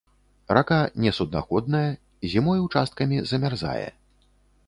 Рака несуднаходная, зімой ўчасткамі замярзае.